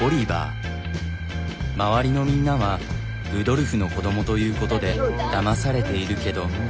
周りのみんなはルドルフの子どもということでだまされているけど。